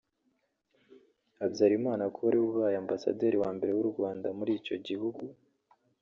Habyalimana kuba ari we ubaye Ambasaderi wa mbere w’u Rwanda muri icyo gihugu